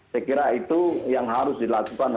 saya kira itu yang harus dilakukan